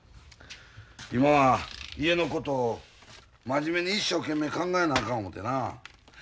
今は家のことを真面目に一生懸命考えなあかん思てな。